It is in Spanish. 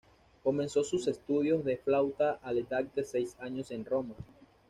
Comenzó sus estudios de flauta a la edad de seis años en Roma.